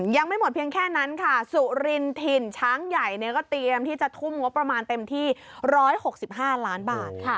ยังไม่หมดเพียงแค่นั้นค่ะสุรินถิ่นช้างใหญ่ก็เตรียมที่จะทุ่มงบประมาณเต็มที่๑๖๕ล้านบาท